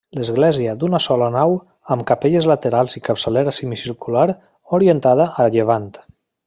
L'església d'una sola nau amb capelles laterals i capçalera semicircular orientada a llevant.